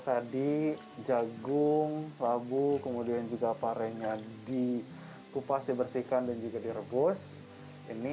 tadi jagung labu kemudian juga parengnya di pupas dibersihkan dan juga direbus ini